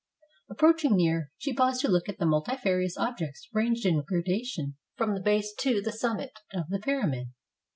Approaching nearer, she paused to look at the multi farious objects ranged in gradation from the base to the summit of the pyramid.